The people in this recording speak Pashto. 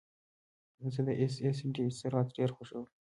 زه د ایس ایس ډي سرعت ډېر خوښوم.